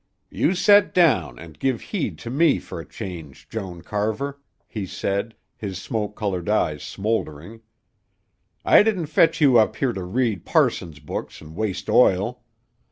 "You set down an' give heed to me fer a change, Joan Carver," he said, his smoke colored eyes smouldering. "I didn't fetch you up here to read parsons' books an' waste oil.